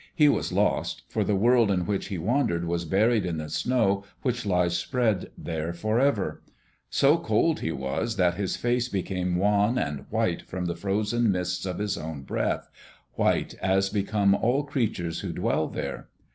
He was lost, for the world in which he wandered was buried in the snow which lies spread there forever. So cold he was that his face became wan and white from the frozen mists of his own breath, white as become all creatures who dwell there.